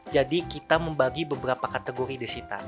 jadi kita membagi beberapa kategori desita